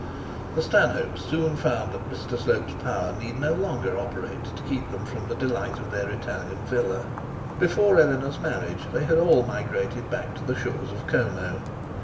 The Stanhopes soon found that Mr Slope's power need no longer operate to keep them from the delight of their Italian villa. Before Eleanor's marriage they had all migrated back to the shores of Como.